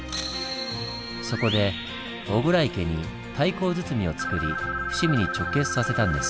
そこで巨椋池に太閤堤をつくり伏見に直結させたんです。